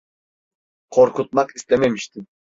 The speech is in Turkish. Korkutmak istememiştim.